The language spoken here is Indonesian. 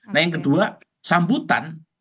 nah yang kedua sambutan